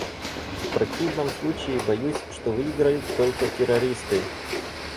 В противном случае боюсь, что выиграют только террористы.